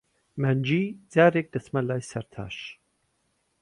مانگی جارێک، دەچمە لای سەرتاش.